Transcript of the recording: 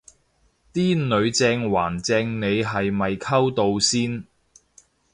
啲女正還正你係咪溝到先